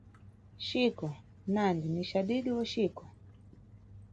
Chico -nandi ni cadidi oh Chico?